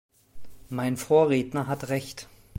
Mein Vorredner hat Recht.